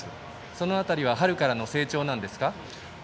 その辺りは春からの成長ですか。